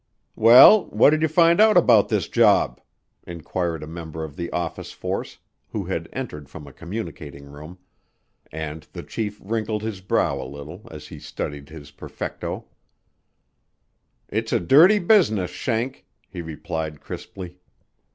"Well, what did you find out about this job?" inquired a member of the office force who had entered from a communicating room, and the chief wrinkled his brow a little as he studied his perfecto. "It's a dirty business, Schenk," he replied crisply.